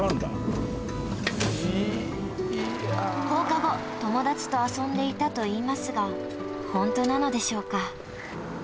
放課後友達と遊んでいたといいますがホントなのでしょうか？